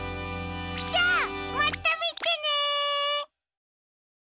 じゃあまたみてね！